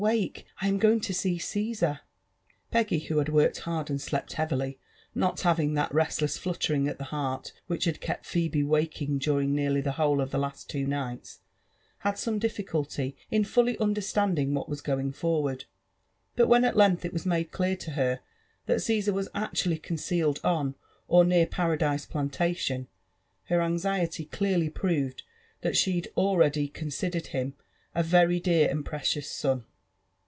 wake !. *^I am going to see Gifisar 1^ Peggy, who had worked hard and slept heavily^ not having thai restless fluttering at the heart which had kept Phebe waking during nearly the whole of the two last nights, had some difficulty In fully understanding what was going forward ; but when at length it wal made elear to her that GsBsar was actually concealed on or near Pa^ radise Plantation, ber aniiety clearly proved that she already oonsi'* dered him as a very dear and precious son.